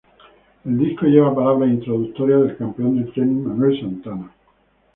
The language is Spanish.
El disco lleva palabras introductorias del campeón de tenis Manuel Santana.